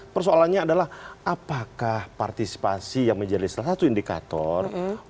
persoalannya adalah apakah partisipasi yang menjadi salah satu indikator